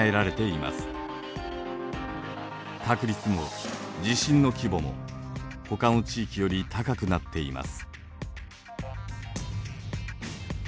確率も地震の規模もほかの地域より高くなっています。